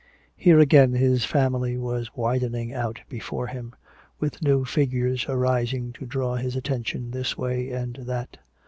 Here again his family was widening out before him, with new figures arising to draw his attention this way and that.